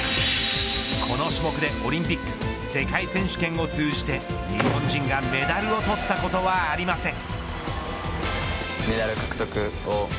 この種目でオリンピック世界選手権を通じて日本人がメダルを取ったことはありません。